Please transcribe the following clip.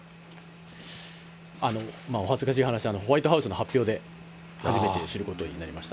お恥ずかしい話、ホワイトハウスの発表で、初めて知ることになりました。